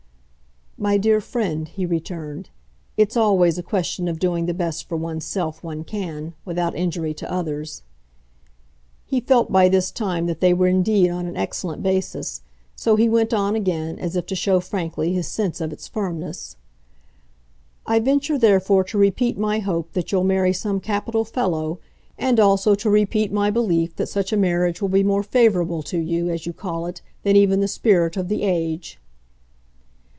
"My dear friend," he returned, "it's always a question of doing the best for one's self one can without injury to others." He felt by this time that they were indeed on an excellent basis; so he went on again, as if to show frankly his sense of its firmness. "I venture therefore to repeat my hope that you'll marry some capital fellow; and also to repeat my belief that such a marriage will be more favourable to you, as you call it, than even the spirit of the age."